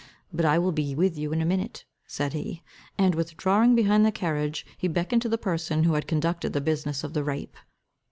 But I will be with you in a minute," said he. And withdrawing behind the carriage, he beckoned to the person who had conducted the business of the rape.